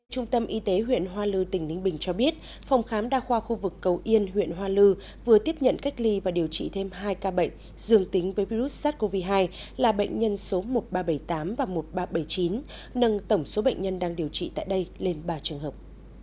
trung tâm y tế huyện hoa lư tỉnh ninh bình cho biết phòng khám đa khoa khu vực cầu yên huyện hoa lư vừa tiếp nhận cách ly và điều trị thêm hai ca bệnh dường tính với virus sars cov hai là bệnh nhân số một nghìn ba trăm bảy mươi tám và một nghìn ba trăm bảy mươi chín nâng tổng số bệnh nhân đang điều trị tại đây lên ba trường hợp